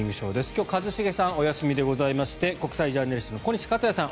今日一茂さんお休みでございまして国際ジャーナリストの小西克哉さん